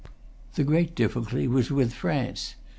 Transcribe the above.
The great difficulty was with France.